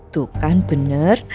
tuh kan bener